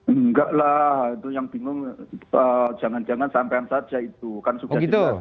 enggaklah itu yang bingung jangan jangan sampai sampai saja itu